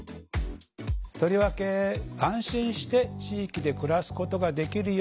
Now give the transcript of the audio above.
とりわけ安心して地域で暮らすことができるような地域作り